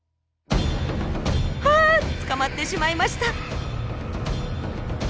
あ！捕まってしまいました。